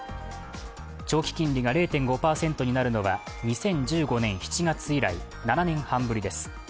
長期金利が０．５％になるのは２０１５年７月以来７年半ぶりです。